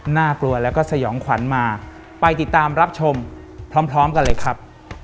น่ากลัวแล้วก็สยองขวัญมาไปติดตามรับชมพร้อมกันเลยครับ